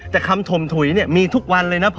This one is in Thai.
แต่คำถมถุยเนี่ยมีทุกวันเลยนะ